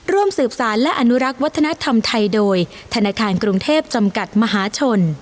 ร่วมสืบสารและอนุรักษ์วัฒนธรรมไทยโดยธนาคารกรุงเทพจำกัดมหาชน